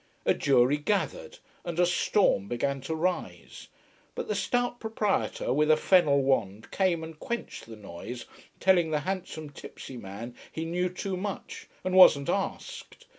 A jury gathered, and a storm began to rise. But the stout proprietor with a fennel wand came and quenched the noise, telling the handsome tipsy man he knew too much and wasn't asked.